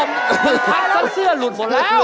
เป็นสักเสื้อลุดหมดแล้ว